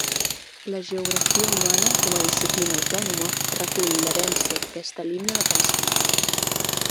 La geografia humana com a disciplina autònoma recull l'herència d'aquesta línia de pensament.